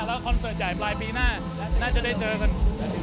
แล้วคอนเสิร์ตใหญ่ปลายปีหน้าน่าจะได้เจอกัน